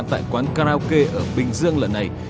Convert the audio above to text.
tại quán karaoke ở bình dương lần này